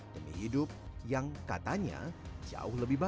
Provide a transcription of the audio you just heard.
demi hidup yang katanya jauh lebih baik